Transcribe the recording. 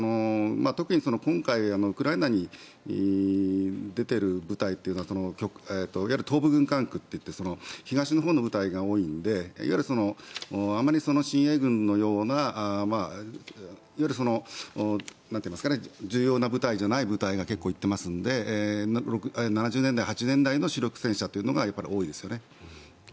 特に今回、ウクライナに出てる部隊というのはいわゆる東部軍管区と言って東のほうの部隊が多いのでいわゆる、あまり親衛軍のような重要な部隊じゃない部隊が結構、行ってますので７０年代、８０年代の主力戦車というのが多いですよね。